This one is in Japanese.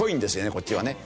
こっちはね。